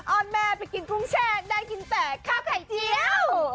อ้อนแม่ไปกินกุ้งแช่งได้กินแต่ข้าวไข่เจียว